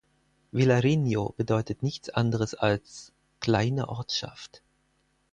Vilarinho bedeutet nichts anderes als „kleine Ortschaft“.